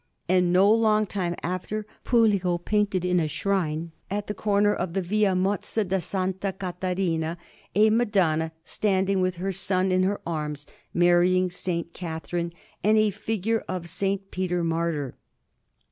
And no long time after, Puligo painted, in a shrine at the corner of the Via Mozza da S. Catarina, a Madonna standing, with her Son in her arms marrying S. Catherine, and a figure of S. Peter Martyr.